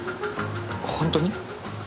本当に？